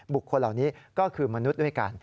คนเหล่านี้ก็คือมนุษย์ด้วยกัน